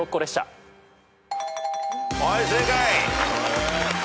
はい正解。